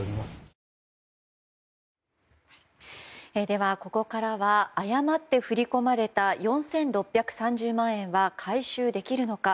では、ここからは誤って振り込まれた４６３０万円は回収できるのか。